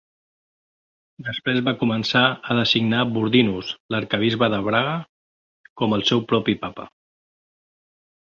Després va començar a designar Burdinus, l'arquebisbe de Braga, com el seu propi Papa.